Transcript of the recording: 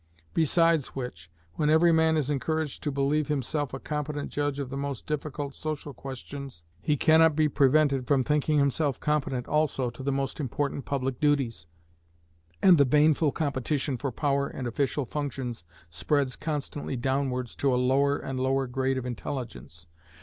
Besides which, when every man is encouraged to believe himself a competent judge of the most difficult social questions, he cannot be prevented from thinking himself competent also to the most important public duties, and the baneful competition for power and official functions spreads constantly downwards to a lower and lower grade of intelligence.